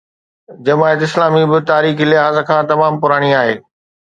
جماعت اسلامي به تاريخي لحاظ کان تمام پراڻي آهي.